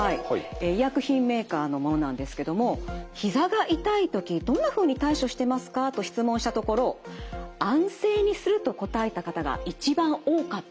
医薬品メーカーのものなんですけどもひざが痛い時どんなふうに対処してますか？と質問したところ「安静にする」と答えた方が一番多かったんです。